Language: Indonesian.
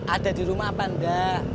ada di rumah apa enggak